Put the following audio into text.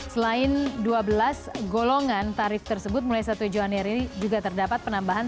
selain dua belas golongan tarif tersebut mulai satu januari ini juga terdapat penambahan